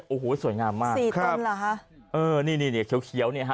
โอ้โหสวยงามมากสี่คนเหรอฮะเออนี่นี่เขียวเขียวเนี่ยฮะ